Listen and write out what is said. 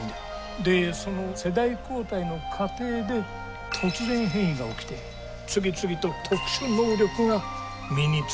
でその世代交代の過程で突然変異が起きて次々と特殊能力が身についてくんですね。